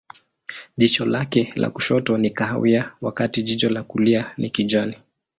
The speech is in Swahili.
Jicho lake la kushoto ni kahawia, wakati jicho la kulia ni kijani.